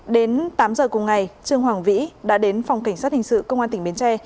đến tám giờ cùng ngày trương hoàng vĩ đã đến phòng cảnh sát hình sự công an tỉnh bến tre